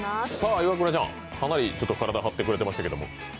イワクラちゃん、かなり体、張ってくれてましたけど。